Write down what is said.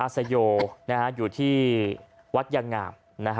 อศโยนอยู่ที่วัดอย่างงาม